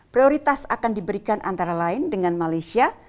prioritas akan diberikan antara lain dengan malaysia